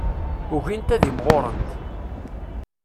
Ugint ad imɣurent.